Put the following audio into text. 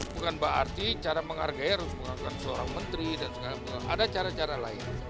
bukan mbak arti cara menghargai harus menghargai seorang menteri ada cara cara lain